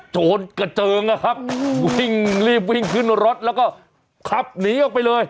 โจรกระเจิงนะครับวิ่งรีบวิ่งขึ้นรถแล้วก็ขับหนีออกไปเลย